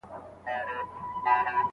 رنګېنې بڼي یې لمر ته ځلېدلې